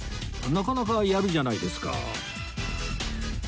なかなかやるじゃないですか